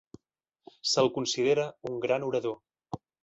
Se'l considera un gran orador.